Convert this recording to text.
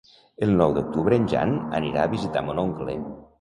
El nou d'octubre en Jan anirà a visitar mon oncle.